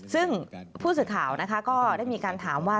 ซึ่งผู้สื่อข่าวนะคะก็ได้มีการถามว่า